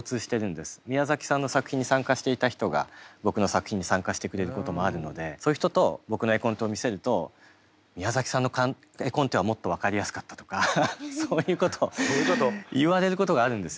宮崎さんの作品に参加していた人が僕の作品に参加してくれることもあるのでそういう人と僕の絵コンテを見せると「宮崎さんの絵コンテはもっと分かりやすかった」とかそういうことを言われることがあるんですよ。